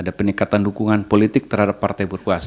ada peningkatan dukungan politik terhadap partai berkuasa